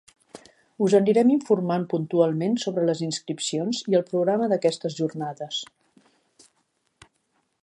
Us anirem informant puntualment sobre les inscripcions i el programa d'aquestes jornades.